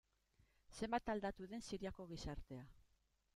Zenbat aldatu den Siriako gizartea.